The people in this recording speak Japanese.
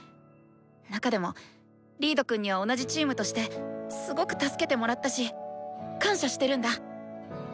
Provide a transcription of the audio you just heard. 中でもリードくんには同じチームとしてすごく助けてもらったし感謝してるんだ！